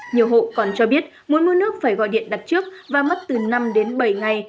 nhiều hộ còn cho biết muốn mua nước phải gọi điện đặt trước và mất từ năm đến bảy ngày